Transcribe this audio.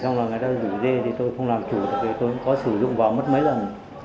xong rồi người ta rủ dê thì tôi không làm chủ được tôi cũng có sử dụng vào mất mấy lần